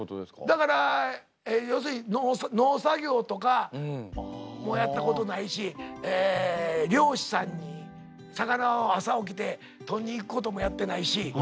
だから要するに農作業とかもやったことないし漁師さんに魚朝起きて取りに行くこともやってないし。